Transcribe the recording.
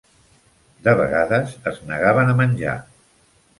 De vegades es negaven a menjar.